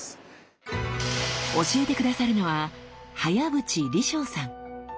教えて下さるのは早淵鯉將さん。